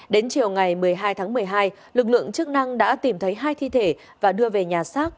đến chiều ngày một mươi hai tháng một mươi hai lực lượng chức năng đã tìm thấy hai thi thể và đưa về nhà xác